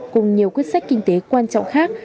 cùng nhiều quyết sách kinh tế quan trọng khác